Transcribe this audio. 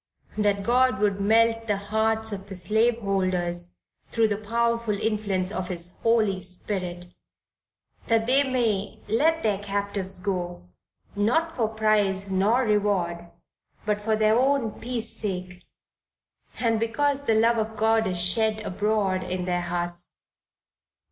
that God would melt the hearts of the slaveholders thro' the powerful influence of his Holy Spirit that they may "let their captives go," "not for price nor reward," but for their own peace sake and because the love of God is shed abroad in their hearts.